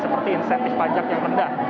seperti insentif pajak yang rendah